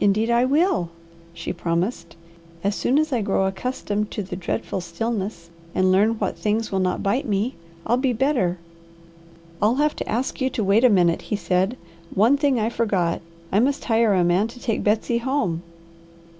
"Indeed I will," she promised. "As soon as I grow accustomed to the dreadful stillness, and learn what things will not bite me, I'll be better." "I'll have to ask you to wait a minute," he said. "One thing I forgot. I must hire a man to take Betsy home."